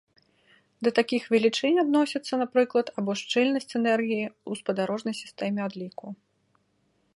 Да такіх велічынь адносяцца, напрыклад, або шчыльнасць энергіі ў спадарожнай сістэме адліку.